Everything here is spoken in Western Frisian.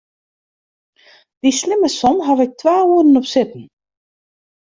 Dy slimme som haw ik twa oeren op sitten.